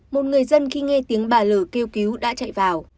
một người dân khi nghe tiếng bà lửa kêu cứu đã chạy vào